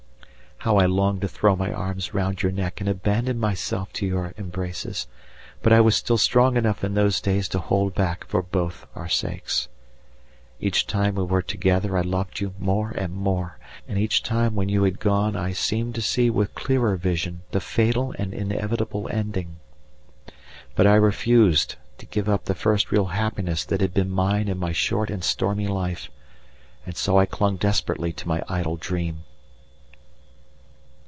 How I longed to throw my arms round your neck and abandon myself to your embraces, but I was still strong enough in those days to hold back for both our sakes. Each time we were together I loved you more and more, and each time when you had gone I seemed to see with clearer vision the fatal and inevitable ending. But I refused to give up the first real happiness that had been mine in my short and stormy life, and so I clung desperately to my idle dream.